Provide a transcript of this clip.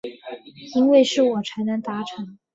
因为是我才能达成